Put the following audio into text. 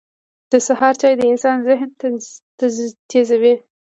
• د سهار چای د انسان ذهن تیزوي.